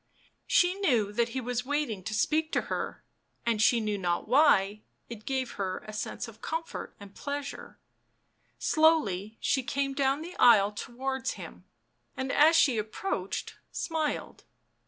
She knew that he was waiting to speak to her, and, she knew not why, it gave her a sense of comfort and pleasure. Slowly she came down the aisle towards him, and as she approached, smiled.